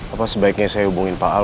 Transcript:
apa sebaiknya saya hubungin pak ale